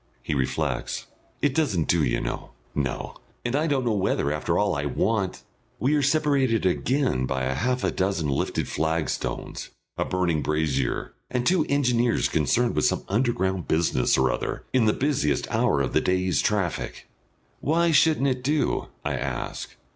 He reflects. "It doesn't do, you know. No! And I don't know whether, after all, I want " We are separated again by half a dozen lifted flagstones, a burning brazier, and two engineers concerned with some underground business or other in the busiest hour of the day's traffic. "Why shouldn't it do?" I ask.